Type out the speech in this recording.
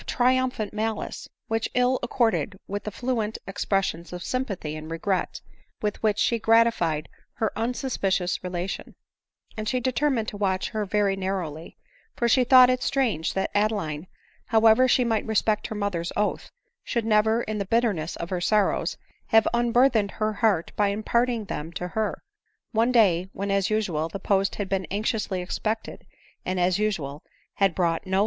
301 triumphant malice, which ill accorded with the fluent ex pressions of sympathy and regret with which she gratified her unsuspicious relation, and she determined to watch her very narrowly ; for she thought it strange that Ade line, however she might respect her mother's oath, should never, in the bitterness of her sorrows, have unburthen ed her heart by imparting them to her ; one day, when, as usual, the post had been anxiously expected, and, as usual, had brought no.